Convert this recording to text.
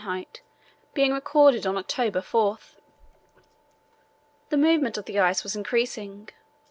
being recorded on October 4. The movement of the ice was increasing.